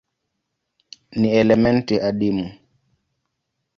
Ni elementi adimu.